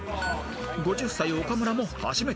［５０歳岡村も初めて］